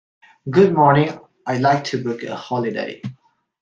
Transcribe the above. Good morning, I'd like to book a holiday.